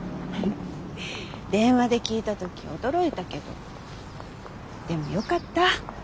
電話で聞いた時驚いたけどでもよかった。